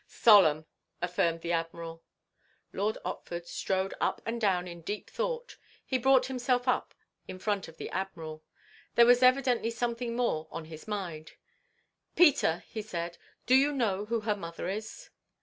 "Solemn," affirmed the Admiral. Lord Otford strode up and down in deep thought. He brought himself up in front of the Admiral. There was evidently something more on his mind. "Peter," he said, "do you know who her mother is?"